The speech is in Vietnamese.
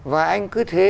và anh cứ thế